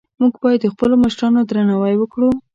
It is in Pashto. موږ باید د خپلو مشرانو درناوی وکړو